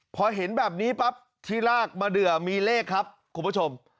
พอเห็นแบบนี้ปั๊บที่ลากมาเดือมีเลขครับคุณผู้ชม